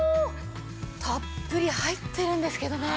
たっぷり入ってるんですけどね。